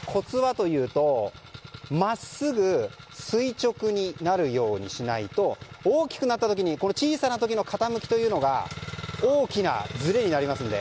それは真っすぐ垂直になるようにしないと大きくなった時に小さい時の傾きが大きなずれになりますので。